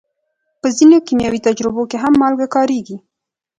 په ځینو کیمیاوي تجربو کې هم مالګه کارېږي.